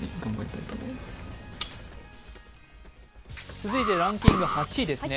続いてランキング８位ですね